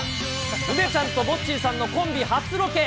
梅ちゃんとモッチーさんのコンビ初ロケ。